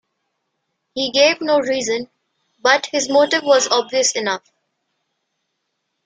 He gave no reason, but his motive was obvious enough.